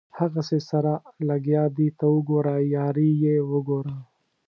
هغسې سره لګیا دي ته وګوره یاري یې وګوره.